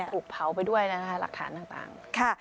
ถูกเผาไปด้วยนะคะหลักฐานต่าง